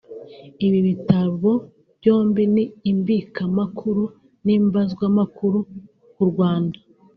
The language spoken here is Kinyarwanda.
Ibi bitabo byombi ni imbikamakuru n’imbazwamakuru ku Rwanda